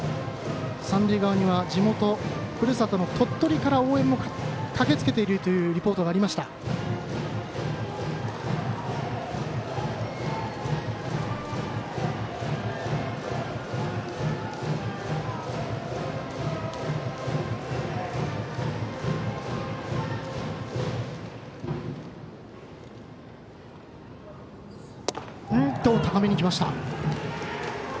三塁側には地元ふるさとの鳥取から応援も駆けつけているというリポートもありました。